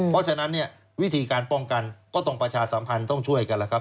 เพราะฉะนั้นเนี่ยวิธีการป้องกันก็ต้องประชาสัมพันธ์ต้องช่วยกันแล้วครับ